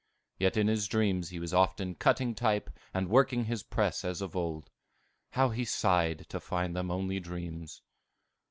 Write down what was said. Yet in his dreams he was often cutting type and working his press as of old. How he sighed to find them only dreams!